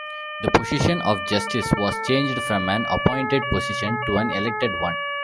The position of justice was changed from an appointed position to an elected one.